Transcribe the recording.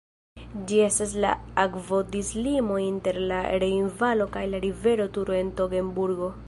Ĝi estas la akvodislimo inter la Rejnvalo kaj la rivero Turo en Togenburgo.